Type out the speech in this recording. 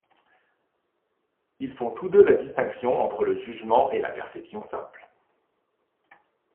Ils font tous deux la distinction entre le jugement et la perception simple.